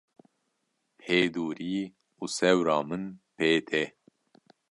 hedûrî û sewra min pê tê.